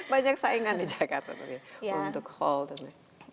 banyak saingan di jakarta tuh ya untuk hall dan lain